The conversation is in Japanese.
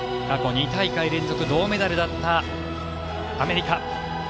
過去２大会連続銅メダルだったアメリカ。